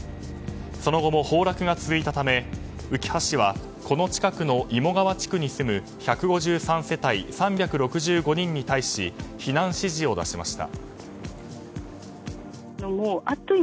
その後も崩落が続いたためうきは市はこの近くの妹川地区に住む１５３世帯３６５人に対し避難指示を出しました。